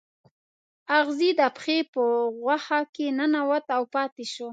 اغزی د پښې په غوښه کې ننوت او پاتې شو.